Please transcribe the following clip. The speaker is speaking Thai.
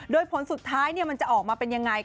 โดยผลสุดท้ายมันจะออกมาเป็นยังไง